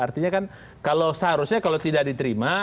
artinya kan kalau seharusnya kalau tidak diterima